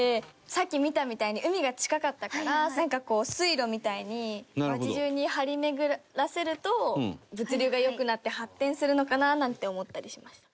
さっき見たみたいに海が近かったからなんかこう水路みたいに町中に張り巡らせると物流が良くなって発展するのかななんて思ったりしました。